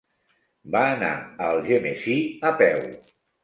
Va anar a Algemesí a peu.